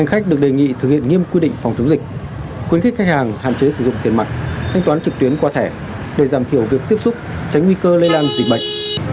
khách được đề nghị thực hiện nghiêm quy định phòng chống dịch khuyến khích khách hàng hạn chế sử dụng tiền mặt thanh toán trực tuyến qua thẻ để giảm thiểu việc tiếp xúc tránh nguy cơ lây lan dịch bệnh